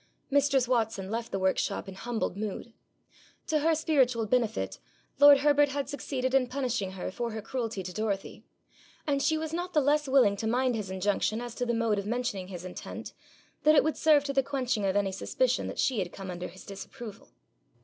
Mistress Watson left the workshop in humbled mood. To her spiritual benefit lord Herbert had succeeded in punishing her for her cruelty to Dorothy; and she was not the less willing to mind his injunction as to the mode of mentioning his intent, that it would serve to the quenching of any suspicion that she had come under his disapproval.